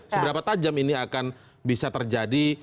seberapa tajam ini akan bisa terjadi